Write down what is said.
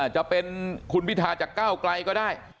จะเป็นคุณพิธาจากก้าวไกลก็ได้